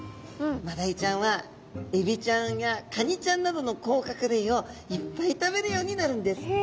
マダイちゃんはエビちゃんやカニちゃんなどの甲殻類をいっぱい食べるようになるんです。